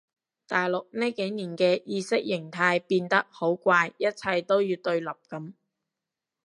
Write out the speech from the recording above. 大陸呢幾年嘅意識形態變得好怪一切都要對立噉